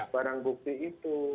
barang bukti itu